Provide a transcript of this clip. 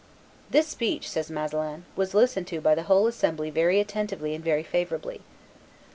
"This speech," says Masselin, "was listened to by the whole assembly very attentively and very favorably."